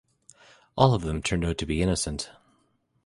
All of them turned out to be innocent.